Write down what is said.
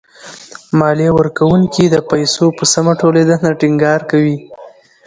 ماليه ورکوونکي د پيسو په سمه ټولېدنه ټېنګار کوي.